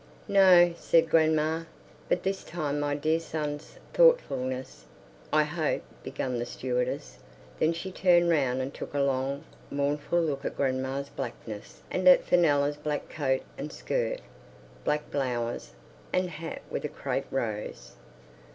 "No," said grandma. "But this time my dear son's thoughtfulness—" "I hope—" began the stewardess. Then she turned round and took a long, mournful look at grandma's blackness and at Fenella's black coat and skirt, black blouse, and hat with a crape rose.